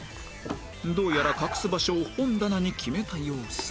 どうやら隠す場所を本棚に決めた様子